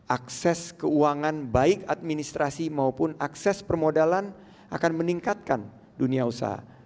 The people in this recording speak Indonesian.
akses keuangan baik administrasi maupun akses permodalan akan meningkatkan dunia usaha